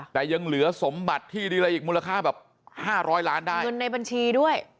แต่ยังเหลือสมบัติที่ดีอะไรอีกมูลค่าแบบห้าร้อยล้านได้เงินในบัญชีด้วย